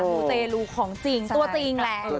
มูเตรลูของจริงตัวจริงแหละ